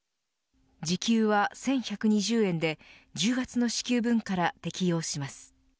時給は１１２０円で１０月の支給分から適用します。